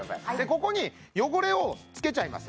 ここに汚れをつけちゃいます